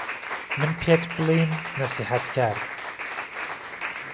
من پێت بڵیم نسيحهتکار